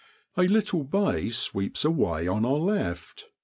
A little bay sweeps away on our left.